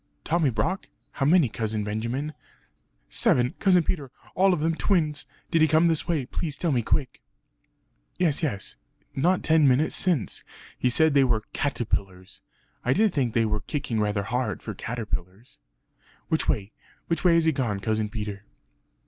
"Tommy Brock? how many, Cousin Benjamin?" "Seven, Cousin Peter, and all of them twins! Did he come this way? Please tell me quick!" "Yes, yes; not ten minutes since ... he said they were caterpillars; I did think they were kicking rather hard, for caterpillars." "Which way? which way has he gone, Cousin Peter?"